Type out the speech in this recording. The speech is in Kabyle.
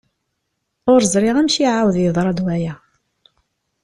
Ur ẓriɣ amek i iεawed yeḍra-d waya.